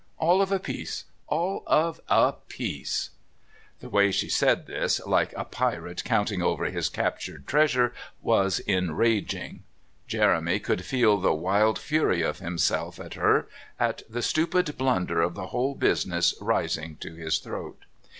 All of a piece all of a piece." The way she said this, like a pirate counting over his captured treasure, was enraging. Jeremy could feel the wild fury at himself, at her, at the stupid blunder of the whole business rising to his throat.